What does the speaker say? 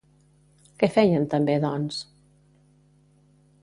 Què feien també, doncs?